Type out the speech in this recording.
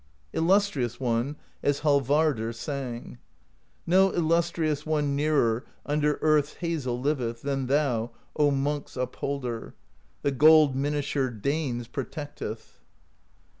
Illustrious One, as Hallvardr sang: No Illustrious One nearer Under Earth's Hazel liveth Than thou, O Monks' Upholder: The Gold Minisher Danes protecteth.